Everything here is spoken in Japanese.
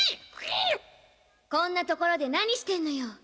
こんなところで何してんのよ